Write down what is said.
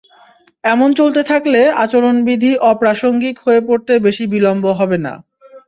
এমন চলতে থাকলে আচরণবিধি অপ্রাসঙ্গিক হয়ে পড়তে বেশি বিলম্ব হবে না।